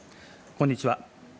こんにちは。